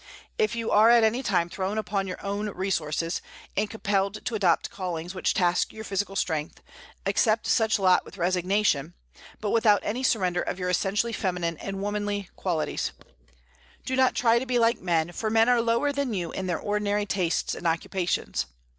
If you are at any time thrown upon your own resources, and compelled to adopt callings which task your physical strength, accept such lot with resignation, but without any surrender of your essentially feminine and womanly qualities; do not try to be like men, for men are lower than you in their ordinary tastes and occupations.